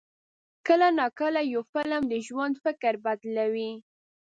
کله ناکله یو فلم د ژوند فکر بدلوي.